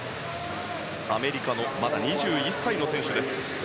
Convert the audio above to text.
アメリカのまだ２１歳の選手。